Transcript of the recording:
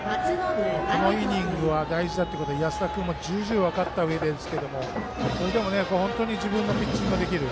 このイニングは大事だということを安田君も重々、分かったうえですけどそれでも自分のピッチングができる。